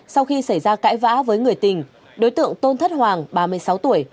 sau khi xảy ra cãi vã với người tình đối tượng tôn thất hoàng ba mươi sáu tuổi